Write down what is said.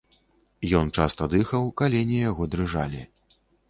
Ён часта дыхаў, калені яго дрыжалі.